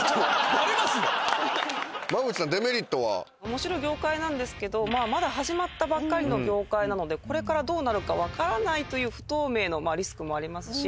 面白い業界なんですけどまだ始まったばかりの業界なのでこれからどうなるか分からないという不透明のリスクもありますし。